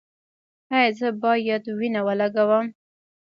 ایا زه باید وینه ولګوم؟